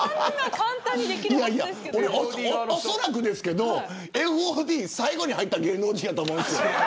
おそらくですけどＦＯＤ、最後に入った芸能人やと思うんですよ。